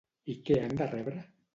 I què han de rebre?